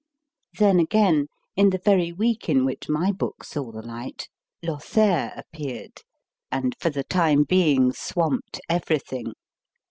Then again, in the very week in which my book saw the light, c Lothair appeared, and for the time being swamped everything.